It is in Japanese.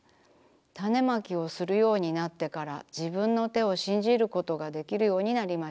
種まきをするようになってからじぶんの手を信じることができるようになりました。